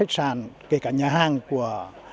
sản kể cả nhà hàng của